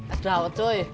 as dawat cuy